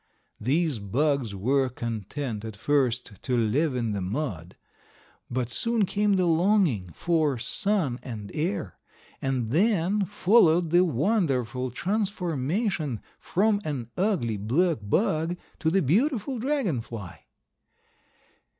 These bugs were content at first to live in the mud. But soon came the longing for sun and air. And then followed the wonderful transformation from an ugly black bug to the beautiful dragon fly.